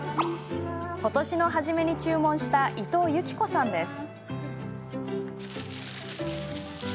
今年の初めに注文した伊藤往子さんです。